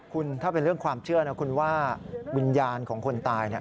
คุณถ้าเป็นเรื่องความเชื่อว่าวิญญาณของคนตาย